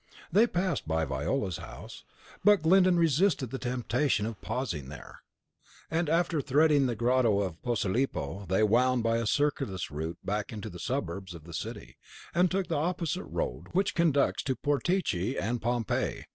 They passed by Viola's house, but Glyndon resisted the temptation of pausing there; and after threading the grotto of Posilipo, they wound by a circuitous route back into the suburbs of the city, and took the opposite road, which conducts to Portici and Pompeii.